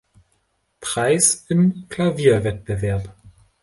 Preis im Klavierwettbewerb.